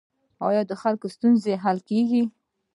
آیا د خلکو ستونزې حل کیږي؟